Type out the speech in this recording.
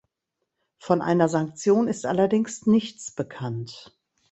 Von einer Sanktion ist allerdings nichts bekannt.